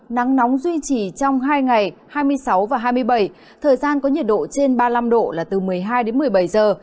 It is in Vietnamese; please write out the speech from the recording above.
nắng nóng duy trì trong hai ngày hai mươi sáu và hai mươi bảy thời gian có nhiệt độ trên ba mươi năm độ là từ một mươi hai đến một mươi bảy giờ